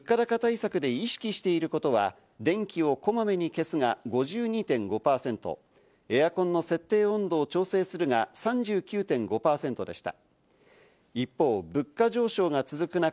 物価高対策で意識していることは、電気をこまめに消すが５２．５％、エアコンの設定温度を調整するが３９．５％でした。